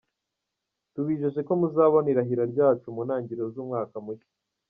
Tubijeje ko muzabona irahira ryacu mu ntangiriro z’umwaka mushya.